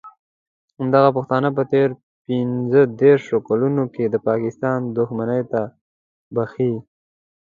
همدغه پښتانه په تېرو پینځه دیرشو کالونو کې د پاکستان دښمني نه بښي.